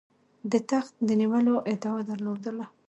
د تخت د نیولو ادعا درلوده.